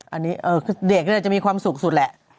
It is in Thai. อันนี้เด็กก็น่าจะมีความสุขสุดแหละ